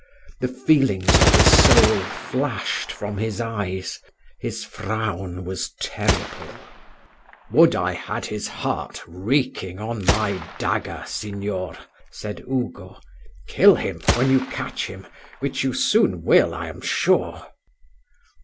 The feelings of his soul flashed from his eyes his frown was terrible. "Would I had his heart reeking on my dagger, Signor!" said Ugo. "Kill him when you catch him, which you soon will, I am sure."